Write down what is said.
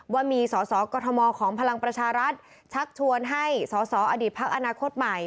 ว่ามีสสกมของพลังประชารัฐชักชวนให้สอสออดีตพักอนาคตใหม่